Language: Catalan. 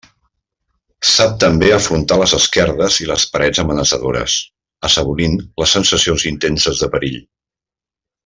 Sap també afrontar les esquerdes i les parets amenaçadores, assaborint les sensacions intenses de perill.